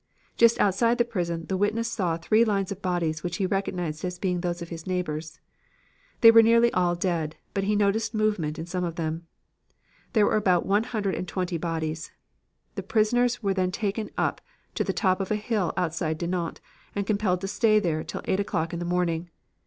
Just outside the prison, the witness saw three lines of bodies which he recognized as being those of his neighbors. They were nearly all dead, but he noticed movement in some of them. There were about one hundred and twenty bodies. The prisoners were then taken up to the top of a hill outside Dinant and compelled to stay there till 8 o'clock in the morning.